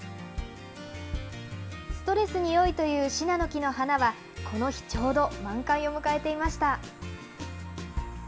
ストレスによいというシナノキの花は、この日、ちょうど満開を迎えていました。